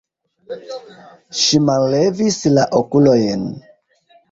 Ŝi mallevis la okulojn.